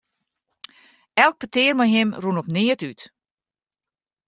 Elk petear mei him rûn op neat út.